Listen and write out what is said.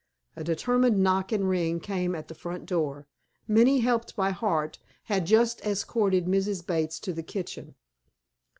A determined knock and ring came at the front door. Minnie, helped by Hart, had just escorted Mrs. Bates to the kitchen.